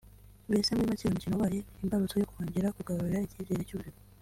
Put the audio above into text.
Mbese muri make uyu mukino wabaye imbarutso yo kongera kugarura icyizere cy’ubuzima